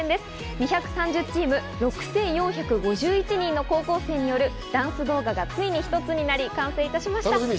２３０チーム、６４５１人の高校生によるダンス動画がついに一つになり完成いたしました。